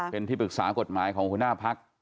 เป็นที่ปรึกษากฎหมายของหัวหน้าพัก